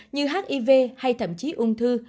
như hiv hay thậm chí ung thư